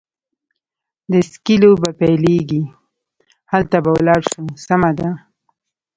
د سکې لوبې پیلېږي، هلته به ولاړ شو، سمه ده.